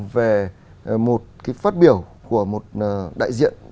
về một phát biểu của một đại diện